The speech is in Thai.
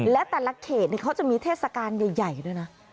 และแต่ละเขตเขาจะมีเทศกาลใหญ่ด้วยนะ